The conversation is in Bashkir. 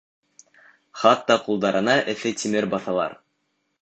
Хатта ҡулдарына эҫе тимер баҫалар.